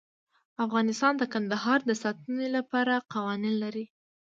افغانستان د کندهار د ساتنې لپاره قوانین لري.